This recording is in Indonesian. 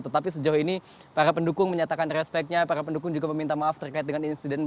tetapi sejauh ini para pendukung menyatakan respectnya para pendukung juga meminta maaf terkait dengan insiden